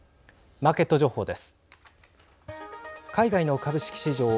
マーケット情報です。